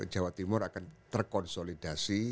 jawa timur akan terkonsolidasi